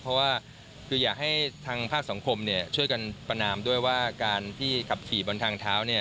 เพราะว่าคืออยากให้ทางภาคสังคมช่วยกันประนามด้วยว่าการที่ขับขี่บนทางเท้า